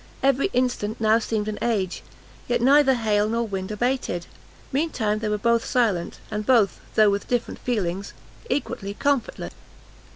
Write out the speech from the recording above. Every instant now seemed an age; yet neither hail nor wind abated; mean time they were both silent, and both, though with different feelings, equally comfortless.